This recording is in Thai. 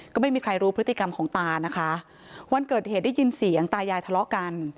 ก็ไม่มีใครรู้พฤติกรรมของตานะคะวันเกิดเหตุได้ยินเสียงตายายทะเลาะกัน